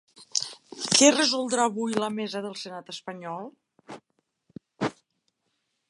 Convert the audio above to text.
Què resoldrà avui la mesa del senat espanyol?